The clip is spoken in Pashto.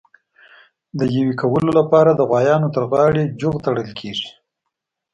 د یویې کولو لپاره د غوایانو تر غاړي ژغ تړل کېږي.